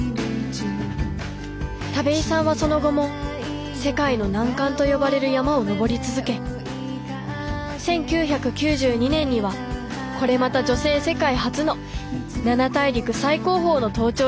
田部井さんはその後も世界の難関と呼ばれる山を登り続け１９９２年にはこれまた女性世界初の７大陸最高峰の登頂に成功。